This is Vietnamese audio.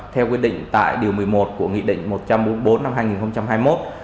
theo quyết định tại điều một mươi một của nghị định một trăm bốn mươi bốn năm hai nghìn hai mươi một